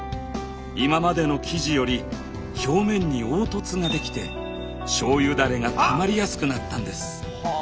今までの生地より表面に凹凸ができて醤油ダレがたまりやすくなったんです。